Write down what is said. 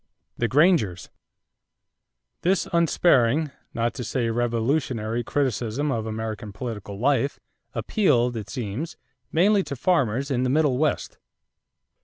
=The Grangers.= This unsparing, not to say revolutionary, criticism of American political life, appealed, it seems, mainly to farmers in the Middle West.